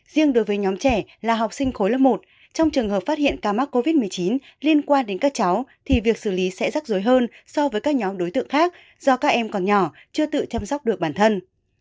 riêng đối với nhóm trẻ là học sinh khối lớp một trong trường hợp phát hiện ca mắc covid một mươi chín liên quan đến các cháu thì việc xử lý sẽ rắc rối hơn so với các nhóm đối tượng khác do các em còn nhỏ chưa tự chăm sóc được bản thân